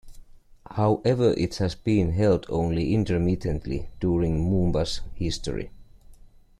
However it has been held only intermittently during Moomba's history.